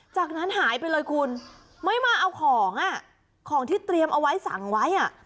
จากนั้นหายไปเลยคุณไม่มาเอาของอ่ะของของที่เตรียมเอาไว้สั่งไว้อ่ะ